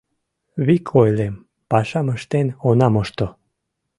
Вик ойлем: пашам ыштен она мошто!